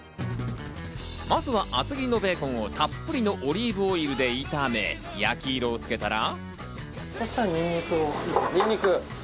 まずは厚切りのベーコンをたっぷりのオリーブオイルで炒め、焼き色をつけたら。